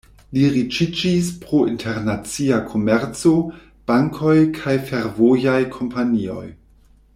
Li riĉiĝis pro internacia komerco, bankoj kaj fervojaj kompanioj.